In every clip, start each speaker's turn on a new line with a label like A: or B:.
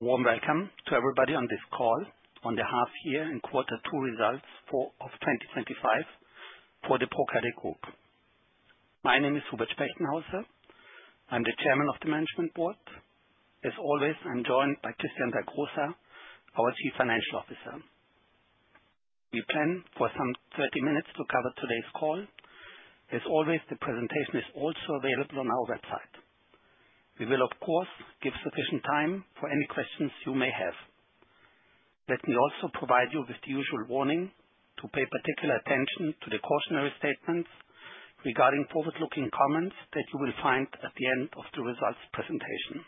A: Warm welcome to everybody on this call on the half year and quarter two results of 2025 for the ProCredit group. My name is Hubert Spechtenhauser. I'm the Chairman of the Management Board. As always, I'm joined by Christian Dagrosa, our Chief Financial Officer. We plan for some 30 minutes to cover today's call. As always, the presentation is also available on our website. We will, of course, give sufficient time for any questions you may have. Let me also provide you with the usual warning to pay particular attention to the cautionary statements regarding forward-looking comments that you will find at the end of the results presentation.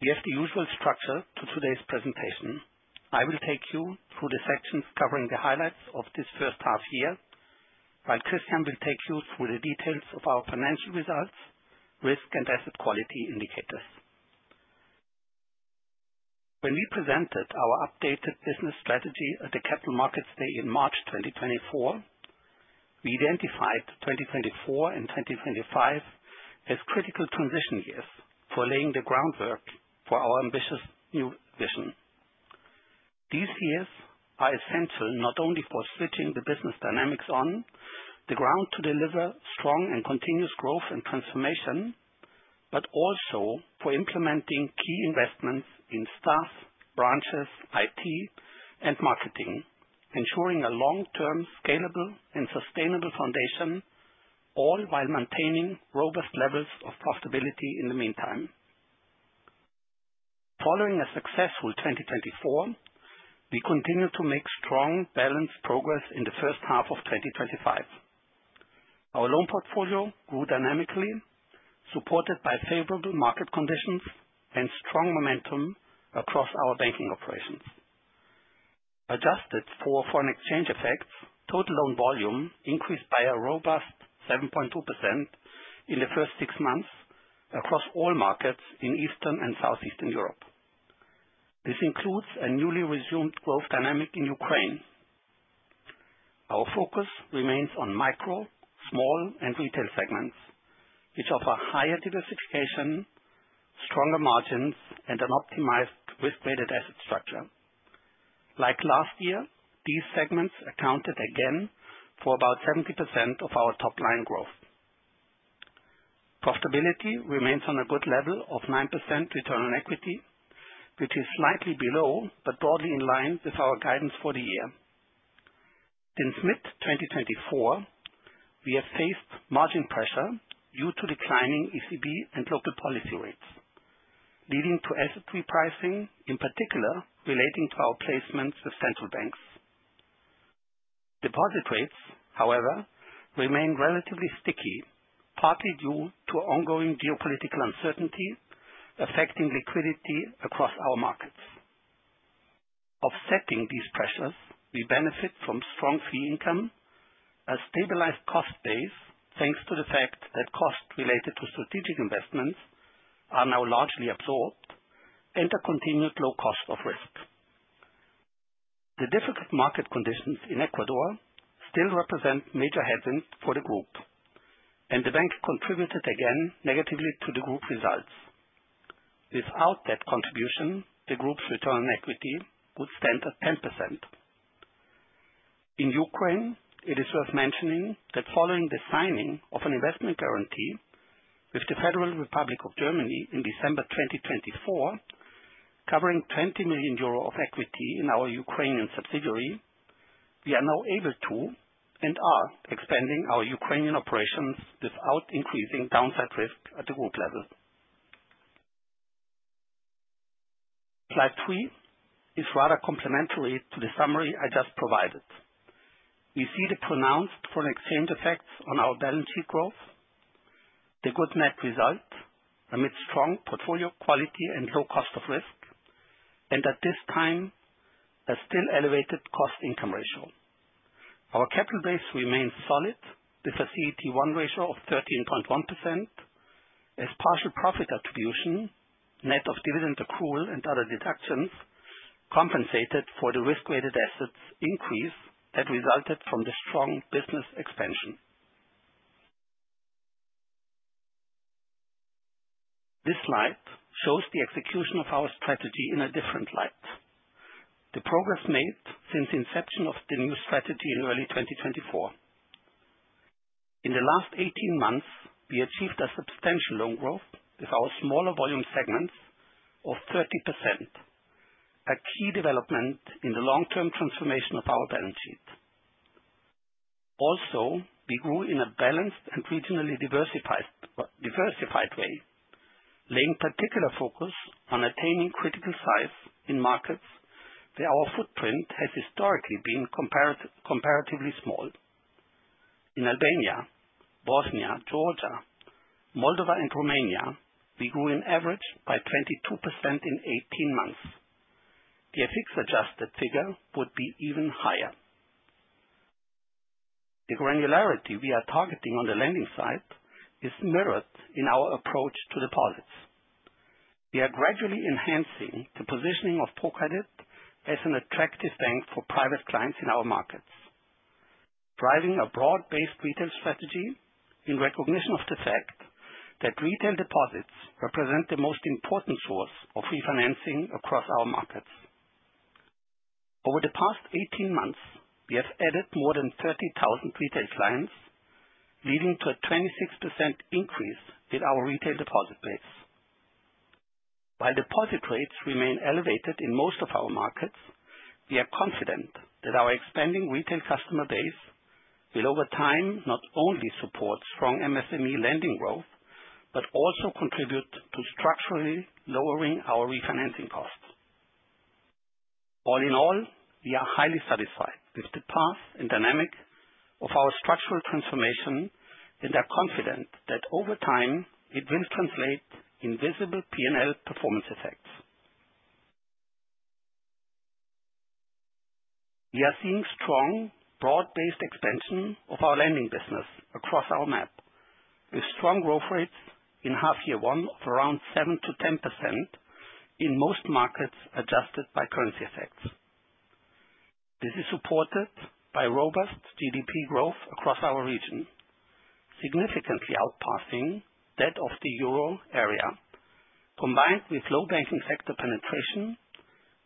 A: We have the usual structure to today's presentation. I will take you through the sections covering the highlights of this first half year, while Christian will take you through the details of our financial results, risk, and asset quality indicators. When we presented our updated business strategy at the Capital Markets Day in March 2024, we identified 2024 and 2025 as critical transition years for laying the groundwork for our ambitious new vision. These years are essential not only for switching the business dynamics on the ground to deliver strong and continuous growth and transformation, but also for implementing key investments in staff, branches, IT, and marketing, ensuring a long-term, scalable, and sustainable foundation, all while maintaining robust levels of profitability in the meantime. Following a successful 2024, we continued to make strong, balanced progress in the first half of 2025. Our loan portfolio grew dynamically, supported by favorable market conditions and strong momentum across our banking operations. Adjusted for foreign exchange effects, total loan volume increased by a robust 7.2% in the first six months across all markets in Eastern and Southeastern Europe. This includes a newly resumed growth dynamic in Ukraine. Our focus remains on micro, small, and retail segments, which offer higher diversification, stronger margins, and an optimized risk-weighted asset structure. Like last year, these segments accounted again for about 70% of our top-line growth. Profitability remains on a good level of 9% return on equity, which is slightly below, but broadly in line with our guidance for the year. Since mid-2024, we have faced margin pressure due to declining ECB and local policy rates, leading to asset repricing, in particular relating to our placements with central banks. Deposit rates, however, remain relatively sticky, partly due to ongoing geopolitical uncertainty affecting liquidity across our markets. Offsetting these pressures, we benefit from strong fee income, a stabilized cost base, thanks to the fact that costs related to strategic investments are now largely absorbed, and a continued low cost of risk. The difficult market conditions in Ecuador still represent major headwinds for the group, and the bank contributed again negatively to the group results. Without that contribution, the group's return on equity would stand at 10%. In Ukraine, it is worth mentioning that following the signing of an investment guarantee with the Federal Republic of Germany in December 2024, covering 20 million euro of equity in our Ukrainian subsidiary, we are now able to, and are, expanding our Ukrainian operations without increasing downside risk at the group level. Slide three is rather complementary to the summary I just provided. We see the pronounced foreign exchange effects on our balance sheet growth, the good net result amid strong portfolio quality and low cost of risk, and at this time, a still elevated cost-income ratio. Our capital base remains solid with a CET1 ratio of 13.1% as partial profit attribution, net of dividend accrual and other deductions compensated for the risk-weighted assets increase that resulted from the strong business expansion. This slide shows the execution of our strategy in a different light. The progress made since the inception of the new strategy in early 2024. In the last 18 months, we achieved a substantial loan growth with our smaller volume segments of 30%, a key development in the long-term transformation of our balance sheet. We also grew in a balanced and regionally diversified way, laying particular focus on attaining critical size in markets where our footprint has historically been comparatively small. In Albania, Bosnia, Georgia, Moldova, and Romania, we grew on average by 22% in 18 months. The FX-adjusted figure would be even higher. The granularity we are targeting on the lending side is mirrored in our approach to deposits. We are gradually enhancing the positioning of ProCredit as an attractive bank for private clients in our markets. Driving a broad-based retail strategy in recognition of the fact that retail deposits represent the most important source of refinancing across our markets. Over the past 18 months, we have added more than 30,000 retail clients, leading to a 26% increase in our retail deposit base. While deposit rates remain elevated in most of our markets, we are confident that our expanding retail customer base will, over time, not only support strong MSME lending growth, but also contribute to structurally lowering our refinancing costs. All in all, we are highly satisfied with the path and dynamic of our structural transformation, and are confident that over time, it will translate in visible P&L performance effects. We are seeing strong, broad-based expansion of our lending business across our map, with strong growth rates in half year one of around 7%-10% in most markets, adjusted by currency effects. This is supported by robust GDP growth across our region, significantly outpacing that of the euro area, combined with low banking sector penetration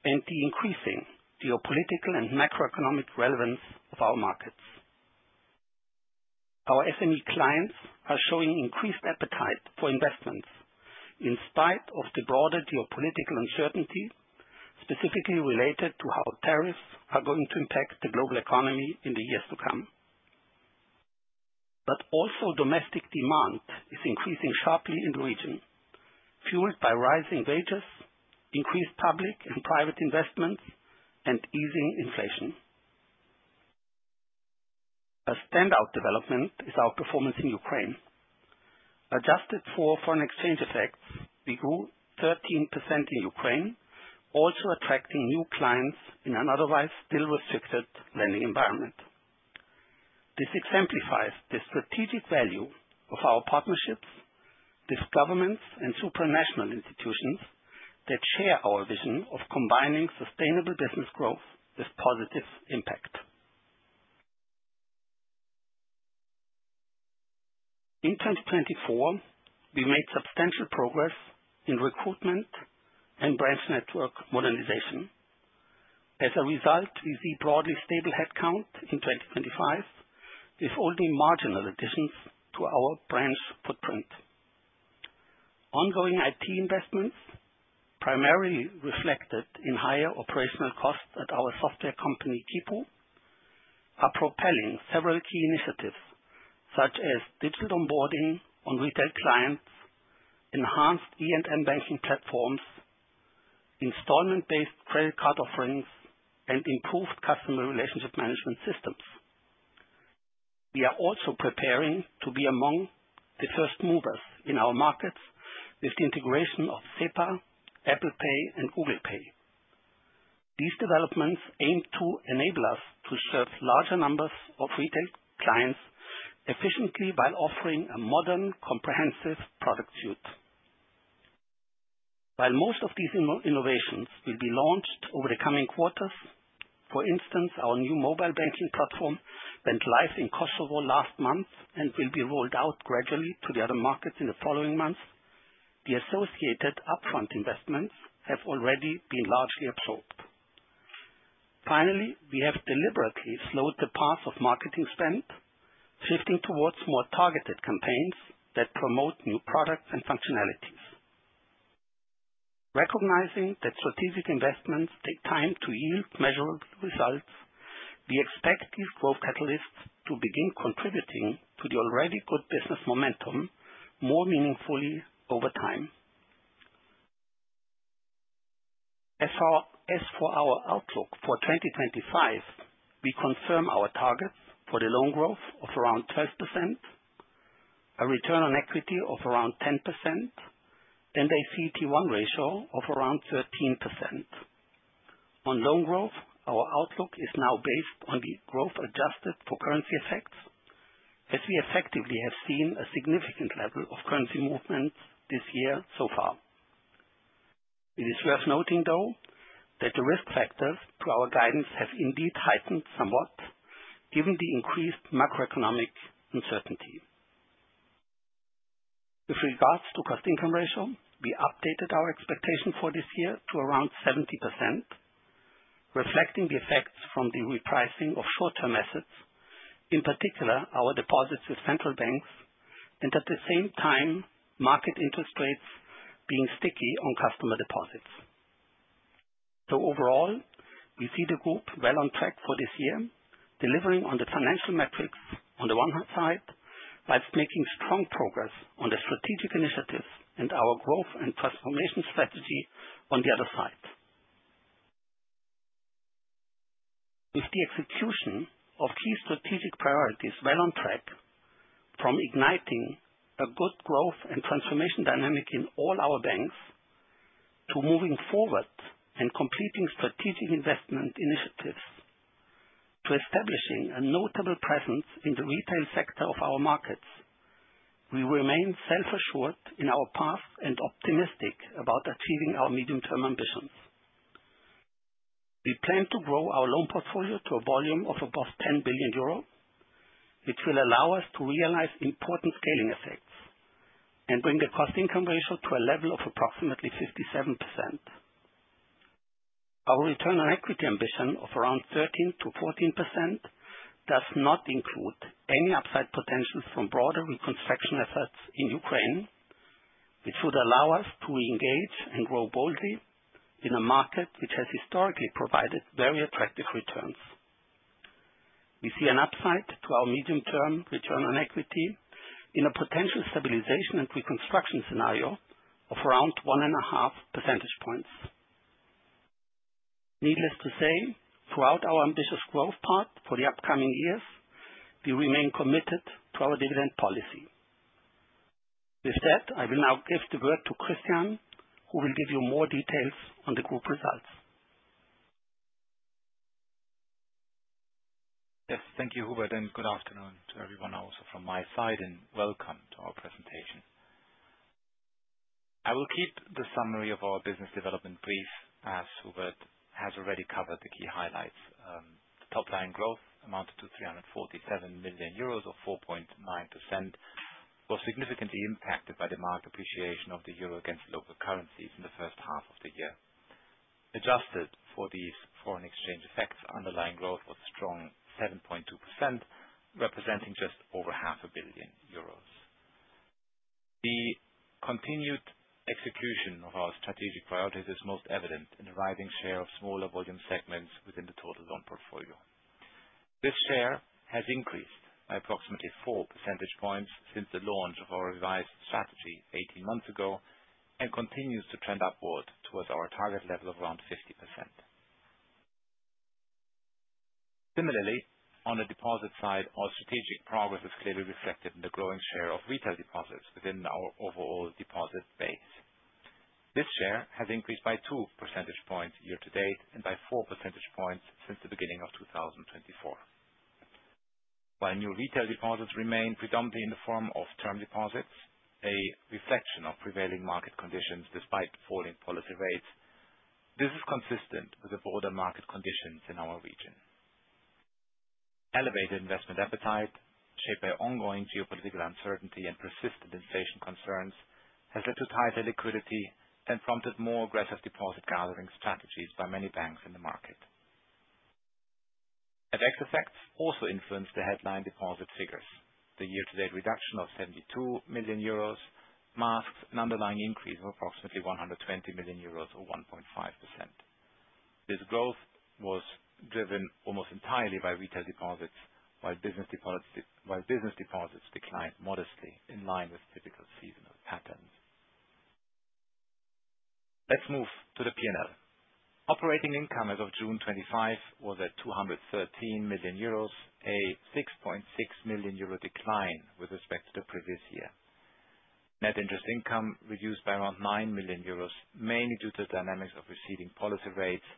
A: and the increasing geopolitical and macroeconomic relevance of our markets. Our SME clients are showing increased appetite for investments in spite of the broader geopolitical uncertainty, specifically related to how tariffs are going to impact the global economy in the years to come. Domestic demand is also increasing sharply in the region, fueled by rising wages, increased public and private investment, and easing inflation. A standout development is our performance in Ukraine. Adjusted for foreign exchange effects, we grew 13% in Ukraine, also attracting new clients in an otherwise still restricted lending environment. This exemplifies the strategic value of our partnerships with governments and supranational institutions that share our vision of combining sustainable business growth with positive impact. In 2024, we made substantial progress in recruitment and branch network modernization. As a result, we see broadly stable headcount in 2025, with only marginal additions to our branch footprint. Ongoing IT investments, primarily reflected in higher operational costs at our software company, Quipu, are propelling several key initiatives, such as digital onboarding on retail clients, enhanced E&M banking platforms, installment-based credit card offerings, and improved customer relationship management systems. We are also preparing to be among the first movers in our markets with the integration of SEPA, Apple Pay, and Google Pay. These developments aim to enable us to serve larger numbers of retail clients efficiently by offering a modern, comprehensive product suite. While most of these innovations will be launched over the coming quarters, for instance, our new mobile banking platform went live in Kosovo last month and will be rolled out gradually to the other markets in the following months. The associated upfront investments have already been largely absorbed. Finally, we have deliberately slowed the path of marketing spend, shifting towards more targeted campaigns that promote new products and functionalities. Recognizing that strategic investments take time to yield measurable results, we expect these growth catalysts to begin contributing to the already good business momentum more meaningfully over time. As for our outlook for 2025, we confirm our targets for the loan growth of around 12%, a return on equity of around 10%, and a CET1 ratio of around 13%. On loan growth, our outlook is now based on the growth adjusted for currency effects, as we effectively have seen a significant level of currency movements this year so far. It is worth noting, though, that the risk factors to our guidance have indeed heightened somewhat given the increased macroeconomic uncertainty. With regards to cost-income ratio, we updated our expectation for this year to around 70%, reflecting the effects from the repricing of short-term assets, in particular, our deposits with central banks, and at the same time, market interest rates being sticky on customer deposits. Overall, we see the group well on track for this year, delivering on the financial metrics on the one side, whilst making strong progress on the strategic initiatives and our growth and transformation strategy on the other side. With the execution of key strategic priorities well on track, from igniting a good growth and transformation dynamic in all our banks, to moving forward and completing strategic investment initiatives, to establishing a notable presence in the retail sector of our markets. We remain self-assured in our path and optimistic about achieving our medium-term ambitions. We plan to grow our loan portfolio to a volume of above 10 billion euro, which will allow us to realize important scaling effects and bring the cost-income ratio to a level of approximately 57%. Our return on equity ambition of around 13%-14% does not include any upside potential from broader reconstruction efforts in Ukraine, which would allow us to engage and grow boldly in a market which has historically provided very attractive returns. We see an upside to our medium-term return on equity in a potential stabilization and reconstruction scenario of around one and a half percentage points. Needless to say, throughout our ambitious growth path for the upcoming years, we remain committed to our dividend policy. With that, I will now give the word to Christian, who will give you more details on the group results.
B: Yes. Thank you, Hubert, and good afternoon to everyone also from my side, and welcome to our presentation. I will keep the summary of our business development brief, as Hubert has already covered the key highlights. The top-line growth amounted to 347 million euros, or 4.9%, was significantly impacted by the market appreciation of the euro against local currencies in the first half of the year. Adjusted for these foreign exchange effects, underlying growth was a strong 7.2%, representing just over half a billion euros. The continued execution of our strategic priorities is most evident in the rising share of smaller volume segments within the total loan portfolio. This share has increased by approximately four percentage points since the launch of our revised strategy 18 months ago, and continues to trend upward towards our target level of around 50%. Similarly, on the deposit side, our strategic progress is clearly reflected in the growing share of retail deposits within our overall deposit base. This share has increased by two percentage points year-to-date and by four percentage points since the beginning of 2024. While new retail deposits remain predominantly in the form of term deposits, a reflection of prevailing market conditions despite falling policy rates, this is consistent with the broader market conditions in our region. Elevated investment appetite, shaped by ongoing geopolitical uncertainty and persistent inflation concerns, has led to tighter liquidity and prompted more aggressive deposit gathering strategies by many banks in the market. FX effects also influenced the headline deposit figures. The year-to-date reduction of 72 million euros masks an underlying increase of approximately 120 million euros, or 1.5%. This growth was driven almost entirely by retail deposits, while business deposits declined modestly in line with typical seasonal patterns. Let's move to the P&L. Operating income as of June 25 was at 213 million euros, a 6.6 million euro decline with respect to the previous year. Net interest income reduced by around 9 million euros, mainly due to the dynamics of receding policy rates,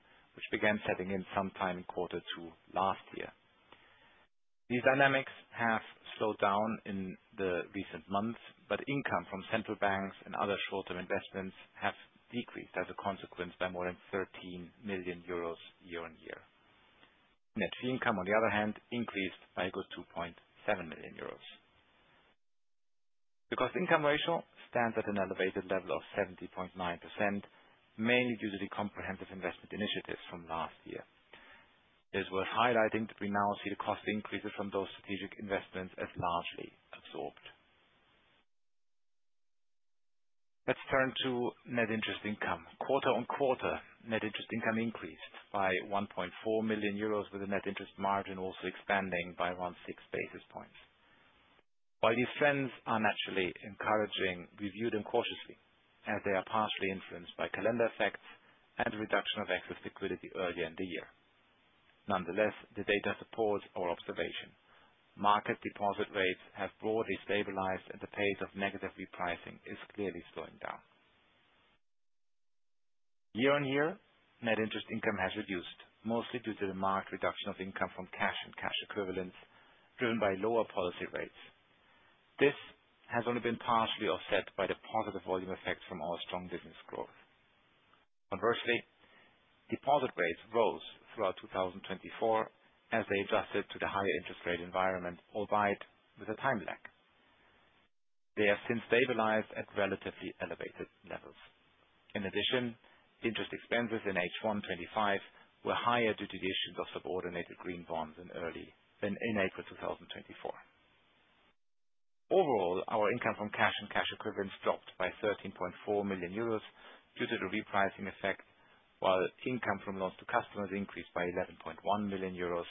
B: which began setting in sometime in quarter two last year. These dynamics have slowed down in the recent months, but income from central banks and other shorter investments have decreased as a consequence by more than 13 million euros year-on-year. Net fee income, on the other hand, increased by a good 2.7 million euros. The cost-income ratio stands at an elevated level of 70.9%, mainly due to the comprehensive investment initiatives from last year. It is worth highlighting that we now see the cost increases from those strategic investments as largely absorbed. Let's turn to net interest income. Quarter-on-quarter, net interest income increased by 1.4 million euros, with the net interest margin also expanding by around six basis points. While these trends are naturally encouraging, we view them cautiously, as they are partially influenced by calendar effects and reduction of excess liquidity earlier in the year. Nonetheless, the data supports our observation. Market deposit rates have broadly stabilized, and the pace of negative repricing is clearly slowing down. Year-on-year, net interest income has reduced, mostly due to the marked reduction of income from cash and cash equivalents driven by lower policy rates. This has only been partially offset by the positive volume effects from our strong business growth. Conversely, deposit rates rose throughout 2024 as they adjusted to the higher interest rate environment, albeit with a time lag. They have since stabilized at relatively elevated levels. In addition, interest expenses in H1 2025 were higher due to the issue of subordinated green bonds in April 2024. Overall, our income from cash and cash equivalents dropped by 13.4 million euros due to the repricing effect, while income from loans to customers increased by 11.1 million euros,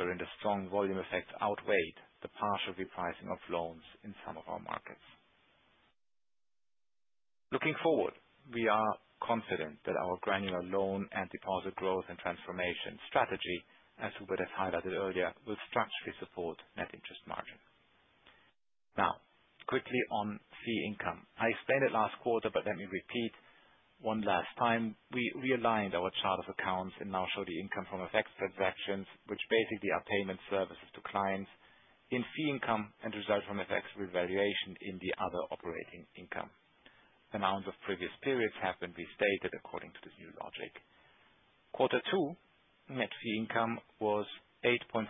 B: wherein the strong volume effects outweighed the partial repricing of loans in some of our markets. Looking forward, we are confident that our granular loan and deposit growth and transformation strategy, as Hubert has highlighted earlier, will structurally support net interest margin. Quickly on fee income. I explained it last quarter, but let me repeat one last time. We realigned our chart of accounts and now show the income from FX transactions, which basically are payment services to clients in fee income and reserved from FX revaluation in the other operating income. The amount of previous periods have been restated according to this new logic. Quarter two net fee income was 8.4%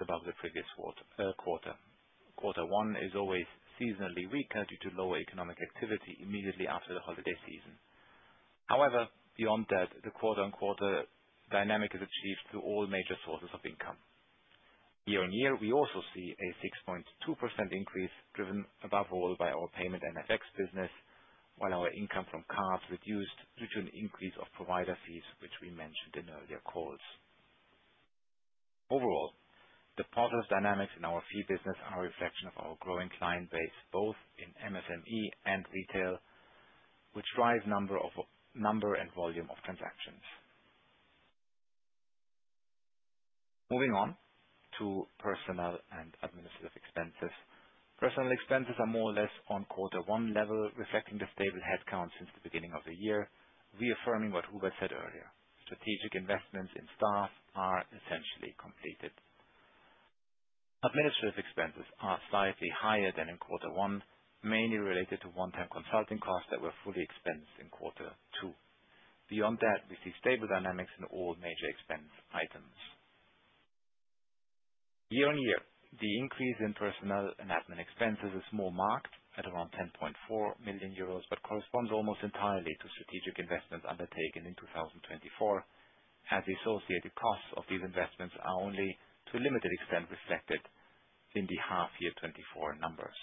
B: above the previous quarter. Quarter one is always seasonally weaker due to lower economic activity immediately after the holiday season. Beyond that, the quarter-on-quarter dynamic is achieved through all major sources of income. Year-on-year, we also see a 6.2% increase, driven above all by our payment and FX business, while our income from cards reduced due to an increase of provider fees, which we mentioned in earlier calls. Overall, the positive dynamics in our fee business are a reflection of our growing client base, both in MSME and retail, which drive number and volume of transactions. Moving on to personnel and administrative expenses. Personnel expenses are more or less on quarter one level, reflecting the stable headcount since the beginning of the year, reaffirming what Hubert said earlier. Strategic investments in staff are essentially completed. Administrative expenses are slightly higher than in quarter one, mainly related to one-time consulting costs that were fully expensed in quarter two. We see stable dynamics in all major expense items. Year-on-year, the increase in personnel and admin expenses is more marked at around 10.4 million euros, but corresponds almost entirely to strategic investments undertaken in 2024, as the associated costs of these investments are only to a limited extent reflected in the half year 2024 numbers.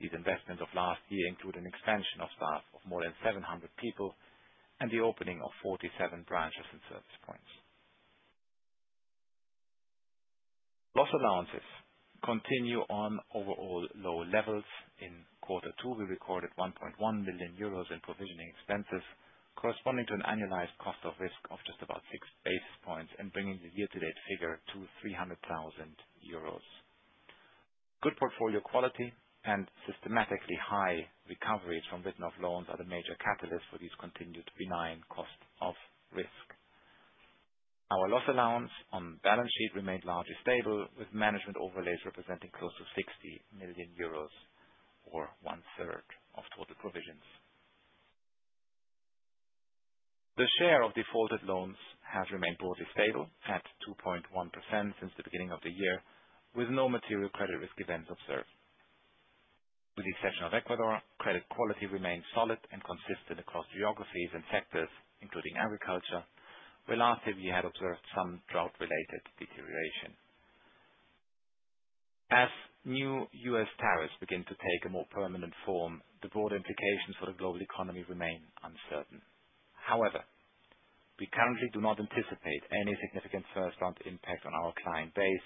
B: These investments of last year include an expansion of staff of more than 700 people and the opening of 47 branches and service points. Loss allowances continue on overall lower levels. In quarter two, we recorded 1.1 million euros in provisioning expenses, corresponding to an annualized cost of risk of just about six basis points and bringing the year-to-date figure to 300,000 euros. Good portfolio quality and systematically high recoveries from written-off loans are the major catalyst for these continued benign cost of risk. Our loss allowance on the balance sheet remained largely stable, with management overlays representing close to 60 million euros, or 1/3 of total provisions. The share of defaulted loans has remained broadly stable at 2.1% since the beginning of the year, with no material credit risk events observed. With the exception of Ecuador, credit quality remains solid and consistent across geographies and sectors, including agriculture, where last year we had observed some drought-related deterioration. As new U.S. tariffs begin to take a more permanent form, the broad implications for the global economy remain uncertain. However, we currently do not anticipate any significant first-round impact on our client base,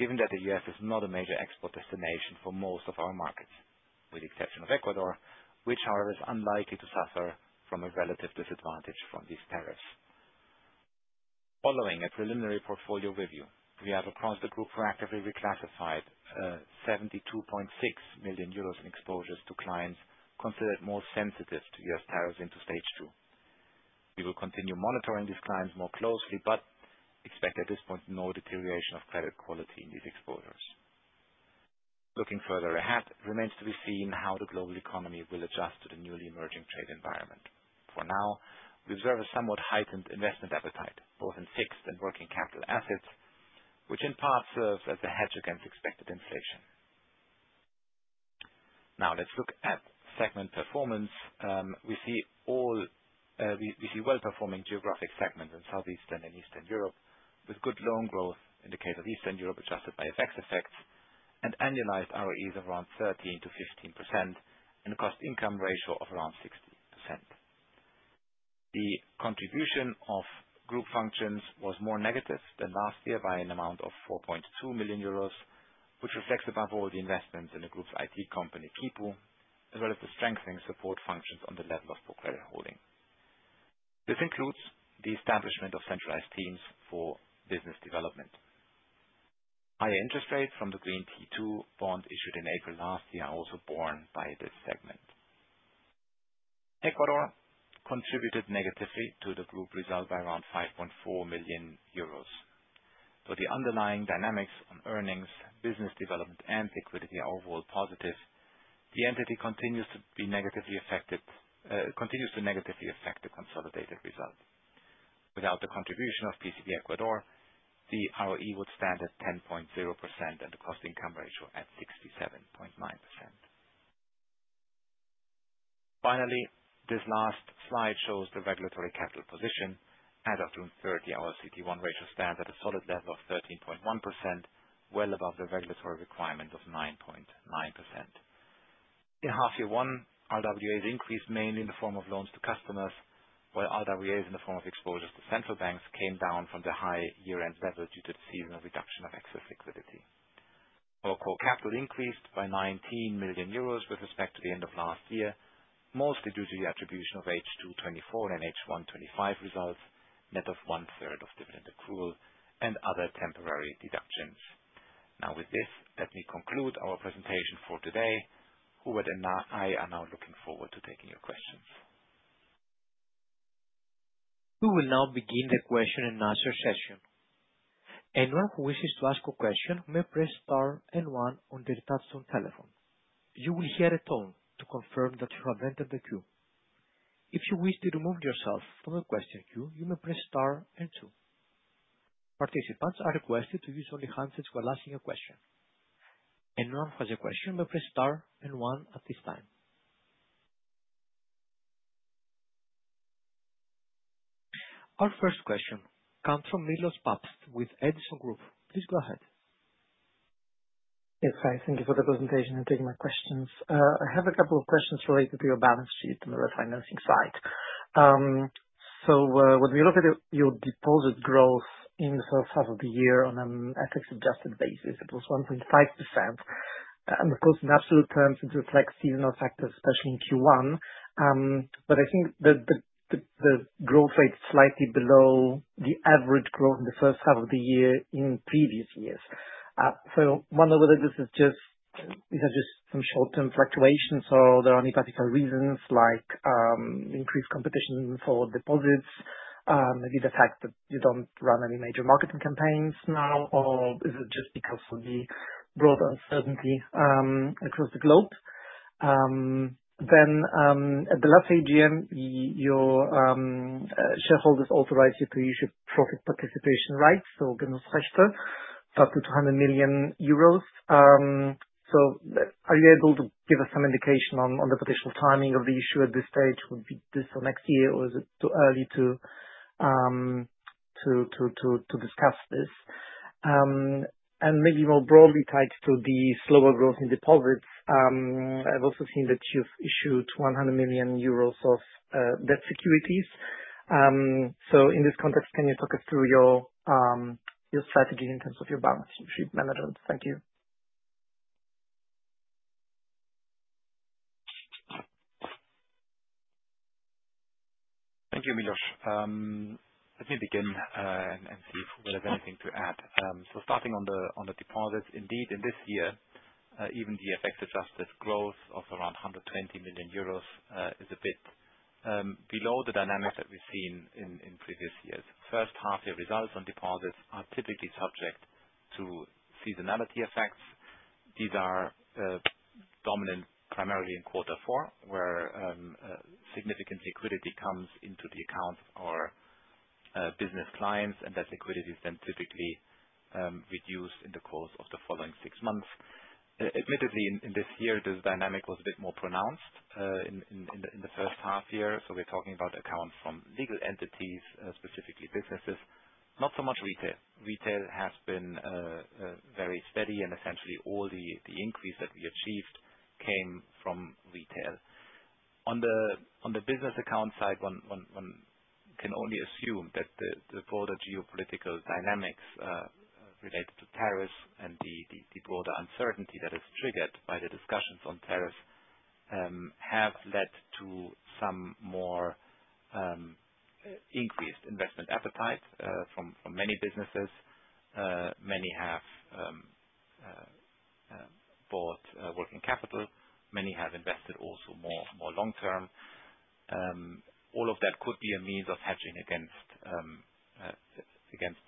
B: given that the U.S. is not a major export destination for most of our markets, with the exception of Ecuador, which, however, is unlikely to suffer from a relative disadvantage from these tariffs. Following a preliminary portfolio review, we have, across the group, proactively reclassified 72.6 million euros in exposures to clients considered more sensitive to U.S. tariffs into Stage Two. We will continue monitoring these clients more closely, but expect, at this point, no deterioration of credit quality in these exposures. Looking further ahead, it remains to be seen how the global economy will adjust to the newly emerging trade environment. For now, we observe a somewhat heightened investment appetite, both in fixed and working capital assets, which in part serves as a hedge against expected inflation. Let's look at segment performance. We see well-performing geographic segments in Southeastern and Eastern Europe, with good loan growth in the case of Eastern Europe, adjusted by FX effects, and annualized ROEs of around 13%-15%, and a cost-income ratio of around 60%. The contribution of group functions was more negative than last year by an amount of 4.2 million euros, which reflects above all the investments in the group's IT company, Quipu, as well as the strengthening support functions on the level of ProCredit Holding. This includes the establishment of centralized teams for business development. Higher interest rates from the Green T2 bonds issued in April last year are also borne by this segment. Ecuador contributed negatively to the group result by around 5.4 million euros. Though the underlying dynamics on earnings, business development, and liquidity are overall positive, the entity continues to negatively affect the consolidated result. Without the contribution of PCB Ecuador, the ROE would stand at 10.0% and the cost-income ratio at 67.9%. Finally, this last slide shows the regulatory capital position. As of June 30, our CET1 ratio stands at a solid level of 13.1%, well above the regulatory requirement of 9.9%. In half year one, RWAs increased mainly in the form of loans to customers, while RWAs in the form of exposures to central banks came down from the high year-end level due to the seasonal reduction of excess liquidity. Our core capital increased by 19 million euros with respect to the end of last year, mostly due to the attribution of H2 2024 and H1 2025 results, net of 1/3 of dividend accrual and other temporary deductions. With this, let me conclude our presentation for today. Hubert and I are now looking forward to taking your questions.
C: We will now begin the question and answer session. Anyone who wishes to ask a question may press star and one on their touch-tone telephone. You will hear a tone to confirm that you have entered the queue. If you wish to remove yourself from the question queue, you may press star and two. Participants are requested to use only handsets while asking a question. Anyone who has a question may press star and one at this time. Our first question comes from Milosz Papst with Edison Group. Please go ahead.
D: Yes. Hi. Thank you for the presentation and taking my questions. I have a couple of questions related to your balance sheet and the refinancing side. When we look at your deposit growth in the first half of the year on an FX-adjusted basis, it was 1.5%. Of course, in absolute terms, it reflects seasonal factors, especially in Q1. I think the growth rate's slightly below the average growth in the first half of the year in previous years. I wonder whether this is just some short-term fluctuations, or there are any particular reasons like increased competition for deposits, maybe the fact that you don't run any major marketing campaigns now, or is it just because of the broad uncertainty across the globe? At the last AGM, your shareholders authorized you to issue profit participation rights, so Genussrechte, up to 200 million euros. Are you able to give us some indication on the potential timing of the issue at this stage? Would it be this or next year, or is it too early to discuss this? Maybe more broadly tied to the slower growth in deposits, I've also seen that you've issued 100 million euros of debt securities. In this context, can you talk us through your strategy in terms of your balance sheet management? Thank you.
B: Thank you, Milosz. Let me begin and see if Hubert has anything to add. Starting on the deposits, indeed, in this year, even the FX-adjusted growth of around 120 million euros is a bit below the dynamics that we've seen in previous years. First half-year results on deposits are typically subject to seasonality effects. These are dominant primarily in quarter four, where significant liquidity comes into the accounts of our business clients, and that liquidity is then typically reduced in the course of the following six months. Admittedly, in this year, this dynamic was a bit more pronounced in the first half year. We're talking about accounts from legal entities, specifically businesses, not so much retail. Retail has been very steady, and essentially all the increase that we achieved came from retail. On the business account side, one can only assume that the broader geopolitical dynamics related to tariffs and the broader uncertainty that is triggered by the discussions on tariffs have led to some more increased investment appetite from many businesses. Many have bought working capital. Many have invested also more long-term. All of that could be a means of hedging against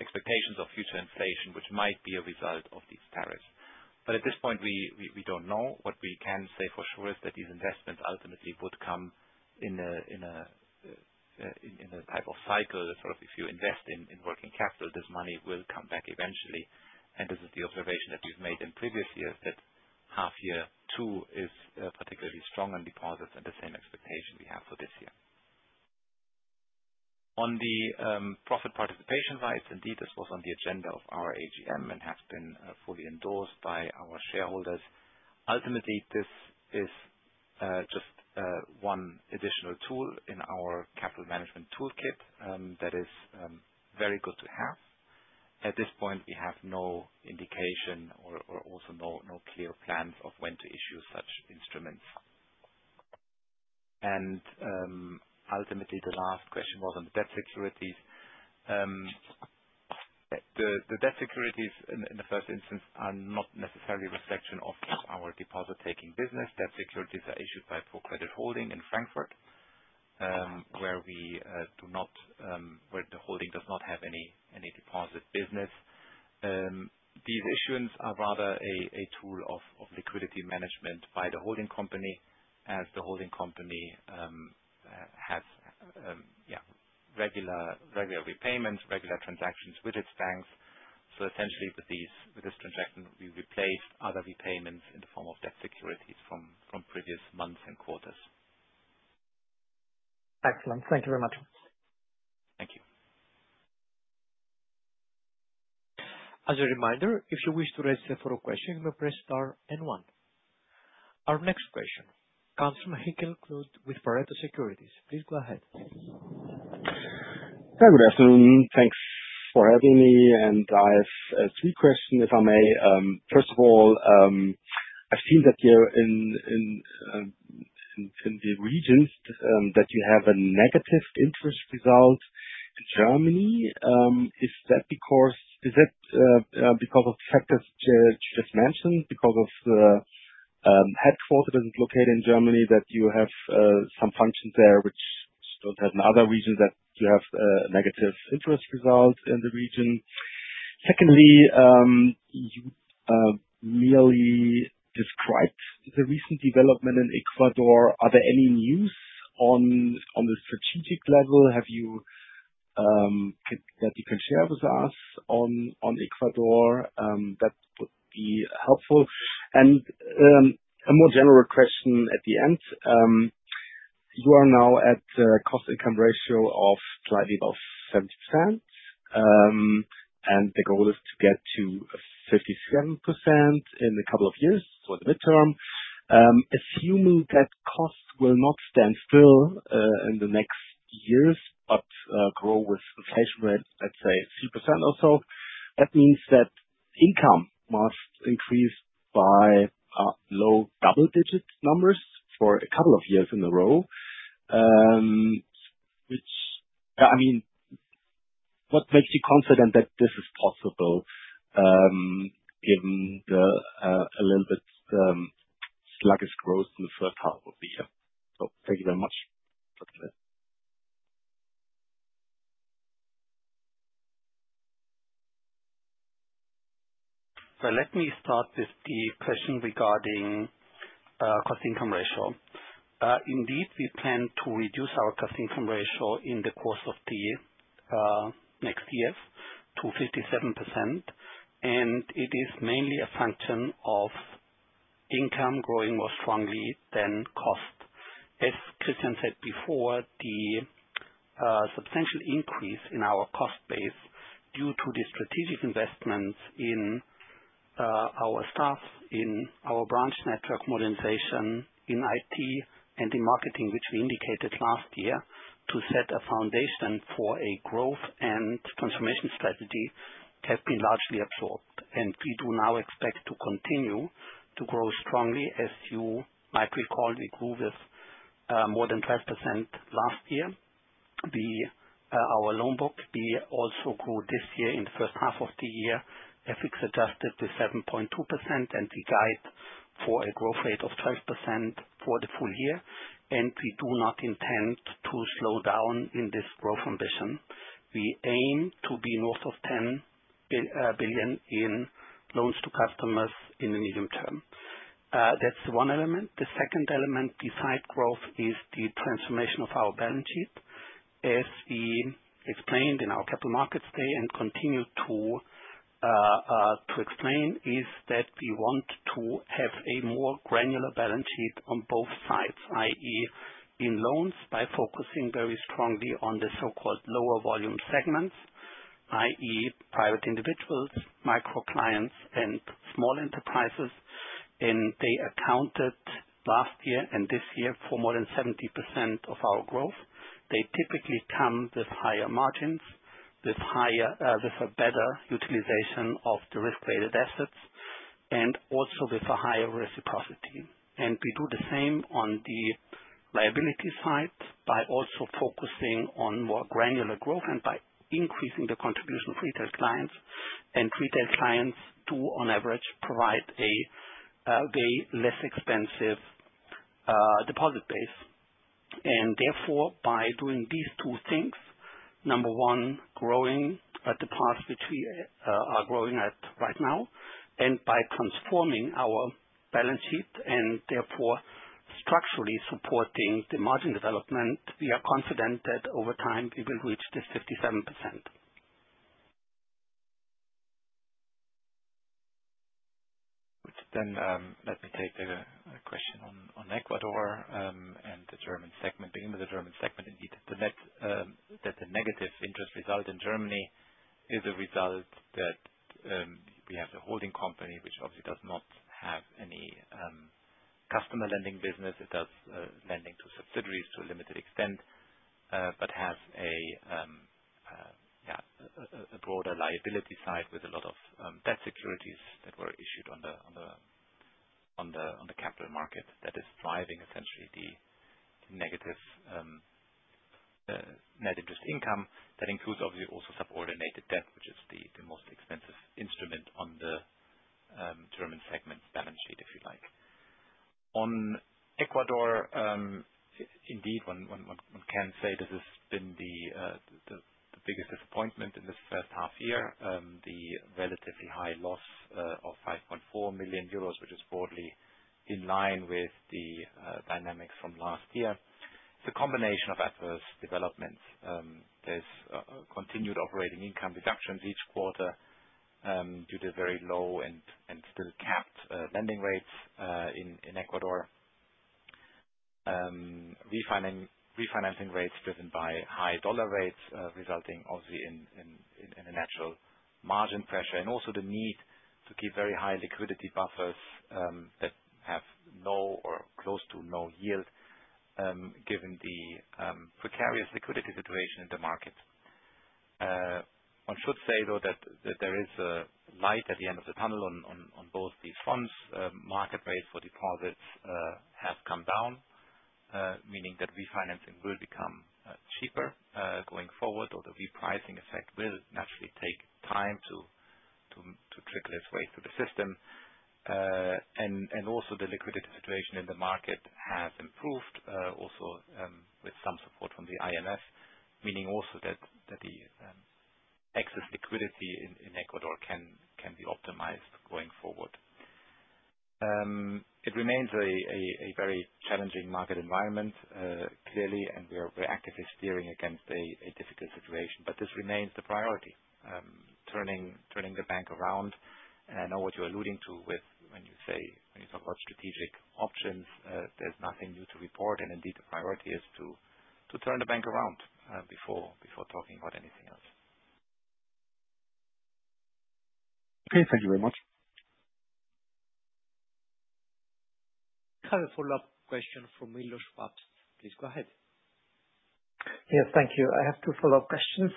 B: expectations of future inflation, which might be a result of these tariffs. At this point, we don't know. What we can say for sure is that these investments ultimately would come in a type of cycle that sort of if you invest in working capital, this money will come back eventually. This is the observation that we've made in previous years, that half year two is particularly strong on deposits and the same expectation we have for this year. On the profit participation side, indeed, this was on the agenda of our AGM and has been fully endorsed by our shareholders. Ultimately, this is just one additional tool in our capital management toolkit that is very good to have. At this point, we have no indication or also no clear plans of when to issue such instruments. Ultimately, the last question was on the debt securities. The debt securities, in the first instance, are not necessarily a reflection of our deposit-taking business. Debt securities are issued by ProCredit Holding in Frankfurt, where the holding does not have any deposit business. These issuance are rather a tool of liquidity management by the holding company as the holding company has regular repayments, regular transactions with its banks. Essentially, with this transaction, we replaced other repayments in the form of debt securities from previous months and quarters.
D: Excellent. Thank you very much.
B: Thank you.
C: As a reminder, if you wish to raise the follow-up question, you may press star and one. Our next question comes from Hikel Claude with Pareto Securities. Please go ahead.
E: Good afternoon. Thanks for having me. I have three questions, if I may. First of all, I've seen that you're in the regions that you have a negative interest result Germany. Is that because of the factors you just mentioned? Because of the headquarters that is located in Germany, that you have some functions there which don't have in other regions, that you have a negative interest result in the region? Secondly, you merely described the recent development in Ecuador. Are there any news on the strategic level that you can share with us on Ecuador? That would be helpful. A more general question at the end. You are now at the cost-income ratio of slightly above 70%. The goal is to get to 57% in a couple of years for the midterm. Assuming that costs will not stand still in the next years, but grow with inflation rate, let's say 3% or so, that means that income must increase by low double-digit numbers for a couple of years in a row. What makes you confident that this is possible, given the little bit sluggish growth in the first half of the year? Thank you very much.
A: Let me start with the question regarding cost-income ratio. Indeed, we plan to reduce our cost-income ratio in the course of the next year to 57%. It is mainly a function of income growing more strongly than cost. As Christian said before, the substantial increase in our cost base due to the strategic investments in our staff, in our branch network modernization, in IT, and in marketing, which we indicated last year to set a foundation for a growth and transformation strategy, have been largely absorbed. We do now expect to continue to grow strongly. As you might recall, we grew with more than 12% last year. Our loan book, we also grew this year in the first half of the year, FX adjusted to 7.2%. We guide for a growth rate of 12% for the full year, and we do not intend to slow down in this growth ambition. We aim to be north of 10 billion in loans to customers in the medium term. That's one element. The second element beside growth is the transformation of our balance sheet. As we explained in our capital markets day and continue to explain, we want to have a more granular balance sheet on both sides, i.e., in loans, by focusing very strongly on the so-called lower volume segments, i.e., private individuals, micro clients, and small enterprises. They accounted last year and this year for more than 70% of our growth. They typically come with higher margins, with a better utilization of the risk-weighted assets, also with a higher reciprocity. We do the same on the liability side by also focusing on more granular growth and by increasing the contribution of retail clients. Retail clients do, on average, provide a way less expensive deposit base. Therefore, by doing these two things, number 1, growing at the path which we are growing at right now, and by transforming our balance sheet and therefore structurally supporting the margin development, we are confident that over time we will reach this 57%.
B: Let me take the question on Ecuador and the German segment. Beginning with the German segment, indeed, the negative interest result in Germany is a result that we have the holding company, which obviously does not have any customer lending business. It does lending to subsidiaries to a limited extent, but has a broader liability side with a lot of debt securities that were issued on the capital market that is driving essentially the negative net interest income. That includes, obviously, also subordinated debt, which is the most expensive instrument on the German segment balance sheet, if you like. On Ecuador, indeed, one can say this has been the biggest disappointment in this first half-year. The relatively high loss of 5.4 million euros, which is broadly in line with the dynamics from last year. It is a combination of adverse developments. There is continued operating income reductions each quarter, due to very low and still capped lending rates in Ecuador. Refinancing rates driven by high US dollar rates, resulting obviously in a natural margin pressure, also the need to keep very high liquidity buffers, that have no or close to no yield, given the precarious liquidity situation in the market. I should say, though, that there is a light at the end of the tunnel on both these fronts. Market rates for deposits have come down, meaning that refinancing will become cheaper, going forward, although the repricing effect will naturally take time to trickle its way through the system. Also the liquidity situation in the market has improved, also with some support from the IMF, meaning also that the excess liquidity in Ecuador can be optimized going forward. It remains a very challenging market environment, clearly. We are actively steering against a difficult situation. This remains the priority, turning the bank around. I know what you are alluding to when you talk about strategic options. There is nothing new to report. Indeed, the priority is to turn the bank around before talking about anything else.
E: Okay. Thank you very much.
C: I have a follow-up question from Milosz Papst. Please go ahead.
D: Yes. Thank you. I have two follow-up questions.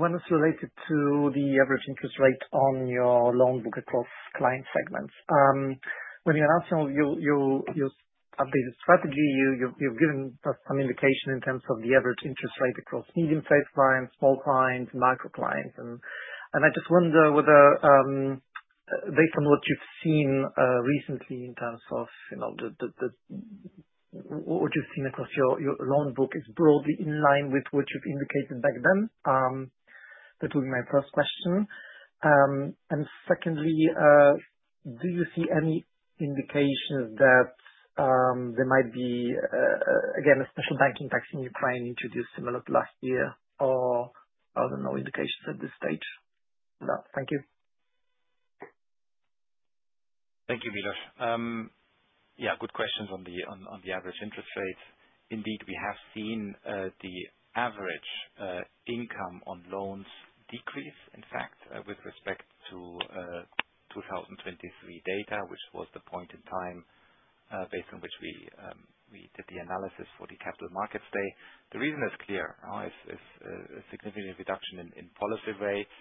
D: One is related to the average interest rate on your loan book across client segments. When you announced your updated strategy, you've given us some indication in terms of the average interest rate across medium-sized clients, small clients, micro clients. I just wonder whether, based on what you've seen recently, in terms of what you've seen across your loan book, is broadly in line with what you've indicated back then. That would be my first question. Secondly, do you see any indications that there might be, again, a special banking tax in Ukraine introduced similar to last year, or are there no indications at this stage? Thank you.
B: Thank you, Milosz. Yeah, good questions on the average interest rates. Indeed, we have seen the average income on loans decrease, in fact, with respect to 2023 data, which was the point in time based on which we did the analysis for the Capital Markets Day. The reason is clear. It's a significant reduction in policy rates.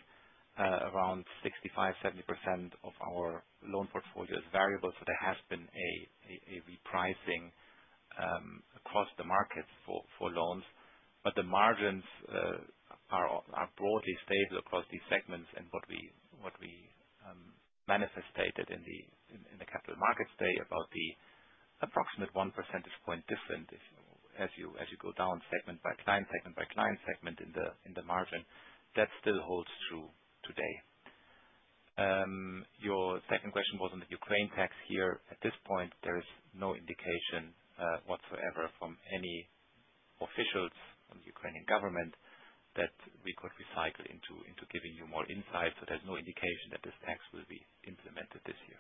B: Around 65%, 70% of our loan portfolio is variable, so there has been a repricing across the market for loans. The margins are broadly stable across these segments. What we manifested in the Capital Markets Day about the approximate one percentage point difference as you go down segment by client segment in the margin, that still holds true today. Your second question was on the Ukraine tax year. At this point, there is no indication whatsoever from any officials from the Ukrainian government that we could recycle into giving you more insight. There's no indication that this tax will be implemented this year.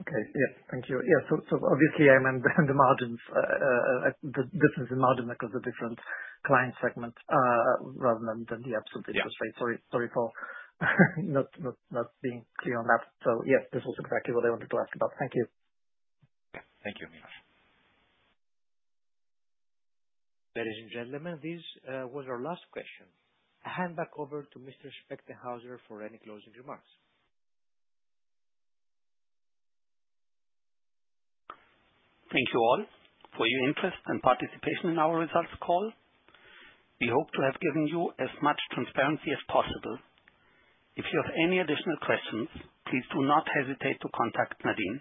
D: Okay. Yeah. Thank you. Obviously, I meant the margins, the difference in margin across the different client segments, rather than the absolute interest rate.
B: Yeah.
D: Sorry for not being clear on that. Yeah, this was exactly what I wanted to ask about. Thank you.
B: Thank you, Milosz.
C: Ladies and gentlemen, this was our last question. I hand back over to Mr. Spechtenhauser for any closing remarks.
A: Thank you all for your interest and participation in our results call. We hope to have given you as much transparency as possible. If you have any additional questions, please do not hesitate to contact Nadine.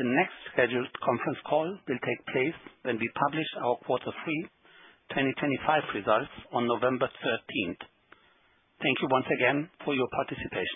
A: The next scheduled conference call will take place when we publish our quarter 3 2025 results on November 13th. Thank you once again for your participation